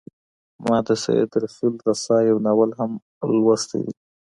ما د سید رسول رسا یو ناول هم لوستی دی.